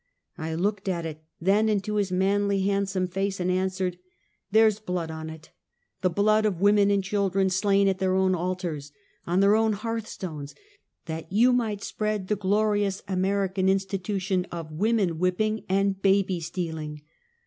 I looked at it, then into his manly, handsome face, and answered: " There is blood on it; the blood of women and chil dren slain at their own altars, on their own hearth stones, that you might spread the glorious American institution of woman whipping and baby stealing."